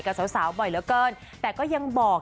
กับสาวบ่อยเหลือเกินแต่ก็ยังบอก